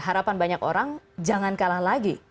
harapan banyak orang jangan kalah lagi